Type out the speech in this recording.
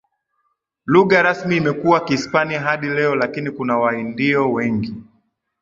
lugha rasmi imekuwa Kihispania hadi leo Lakini kuna Waindio wengi